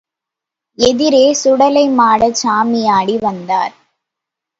எதிரே சுடலைமாடச்சாமியாடி வந்தார்.